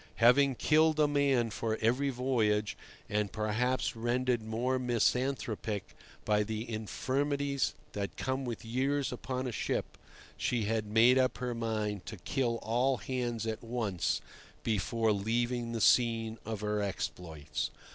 Having killed a man for every voyage, and perhaps rendered more misanthropic by the infirmities that come with years upon a ship, she had made up her mind to kill all hands at once before leaving the scene of her exploits.